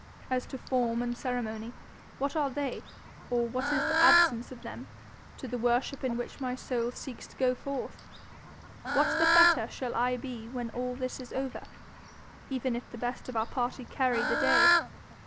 As to form and ceremony, what are they, or what is the absence of them, to the worship in which my soul seeks to go forth? What the better shall I be when all this is over, even if the best of our party carry the day?